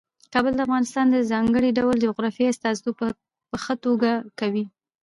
کابل د افغانستان د ځانګړي ډول جغرافیې استازیتوب په ښه توګه کوي.